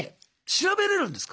調べれるんですか？